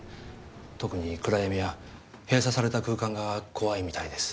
特に暗闇や閉鎖された空間が怖いみたいです